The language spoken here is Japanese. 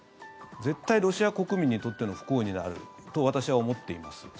絶対、ロシア国民にとっての不幸になると私は思っています。